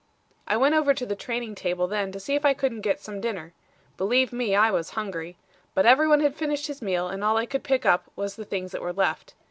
"I went over to the training table then to see if I couldn't get some dinner. Believe me, I was hungry. But every one had finished his meal and all I could pick up was the things that were left.